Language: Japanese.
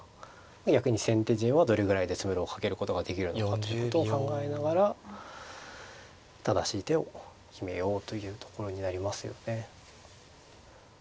逆に先手陣はどれぐらいで詰めろをかけることができるのかということを考えながら正しい手を決めようというところになりますよね。